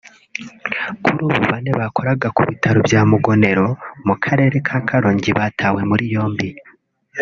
kuri ubu bane bakoraga ku bitaro bya Mugonero mu Karere ka Karongi batawe muri yombi